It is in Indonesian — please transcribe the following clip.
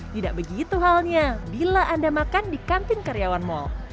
tidak begitu halnya bila anda makan di kantin karyawan mal